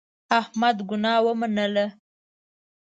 احمد ګناه ومنله.